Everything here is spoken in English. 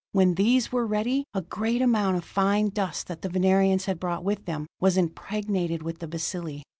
When these were ready, a great amount of fine dust that the Venerians had brought with them, was impregnated with the bacilli.